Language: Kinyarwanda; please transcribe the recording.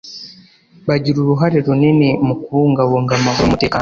bagira uruhare runini mu kubungabunga amahoro n’umutekano